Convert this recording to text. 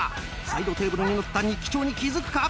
サイドテーブルにのった日記帳に気付くか？